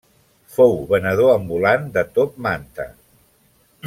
Fou venedor ambulant de top manta.